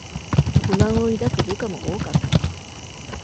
不満を抱く部下も多かった